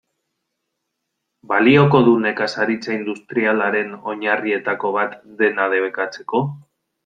Balioko du nekazaritza industrialaren oinarrietako bat dena debekatzeko?